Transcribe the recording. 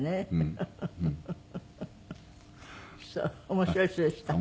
面白い人でした。